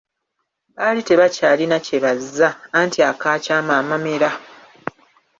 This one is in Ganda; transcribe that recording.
Baali tebakyalina kye bazza, anti, akaakyama amamera!